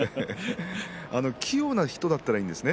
器用な人だったらいいんですね